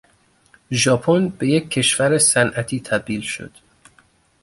ژاپن به یک کشور صنعتی تبدیل شد.